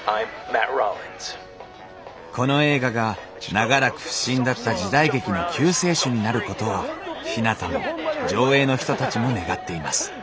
この映画が長らく不振だった時代劇の救世主になることをひなたも条映の人たちも願っています